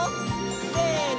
せの！